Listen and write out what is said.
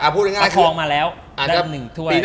พระครองมาแล้วได้หนึ่งถ้วย